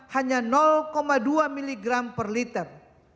hanya dua miligram per liter